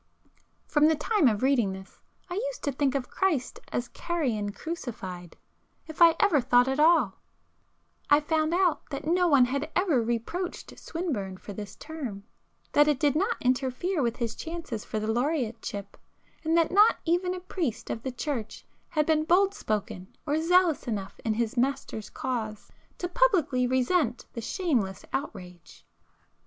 From the time of reading this, I used to think of Christ as 'carrion crucified';—if I ever thought at all. I found out that no one had ever reproached Swinburne for this term,—that it did not interfere with his chances for the Laureateship,—and that not even a priest of the church had been bold spoken or zealous enough in his Master's cause to publicly resent the shameless outrage.